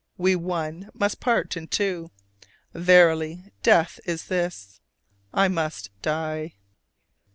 We, one, must part in two; Verily death is this: I must die."